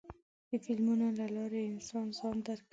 د فلمونو له لارې انسان ځان درکوي.